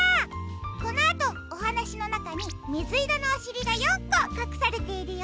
このあとおはなしのなかにみずいろのおしりが４こかくされているよ。